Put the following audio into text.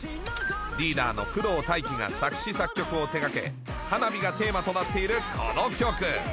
リーダーの工藤大輝が作詞作曲を手掛け花火がテーマとなっているこの曲。